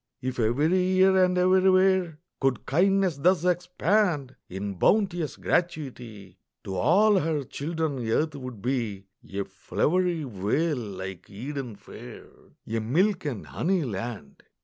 If every year and everywhere Could kindness thus expand In bounteous gratuity, To all her children earth would be A flowery vale like Eden fair, A milk and honey land.